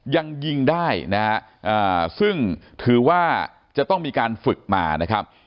ยังยิงได้นะฮะซึ่งถือว่าจะต้องมีการฝึกมานะครับ